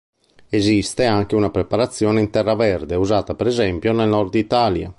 Esiste anche una preparazione in terra verde, usata per esempio nel Nord-Italia.